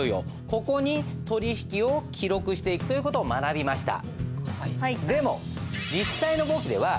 ここに取引を記録していくという事を学びました。